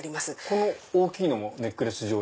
この大きいのもネックレス状に。